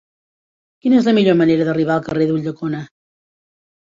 Quina és la millor manera d'arribar al carrer d'Ulldecona?